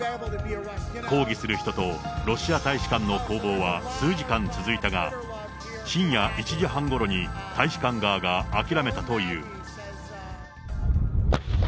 抗議する人とロシア大使館の攻防は数時間続いたが、深夜１時半ごろに大使館側が諦めたという。